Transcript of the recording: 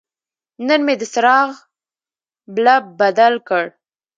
نن مې د څراغ بلب بدل کړ.